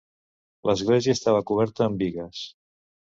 L'església estava coberta amb bigues.